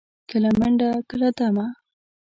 کله منډه، کله دمه.